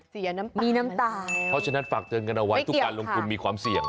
มีน้ำตาเพราะฉะนั้นฝากเตือนกันเอาไว้ทุกการลงทุนมีความเสี่ยง